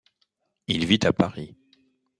Il vit à Paris.